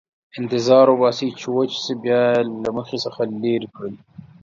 انتظار وباسئ چې وچ شي، بیا یې له مخ څخه لرې کړئ.